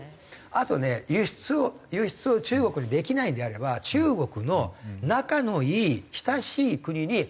あとね輸出を中国にできないのであれば中国の仲のいい親しい国に輸出をする。